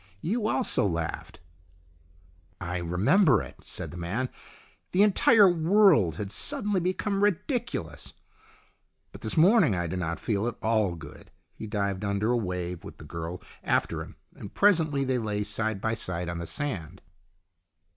You also laughed." "I remember it," said the man. "The entire world had suddenly become ridiculous. But this morning I do not feel at all good." He dived under a wave with the girl after him, and presently they lay side by side on the sand.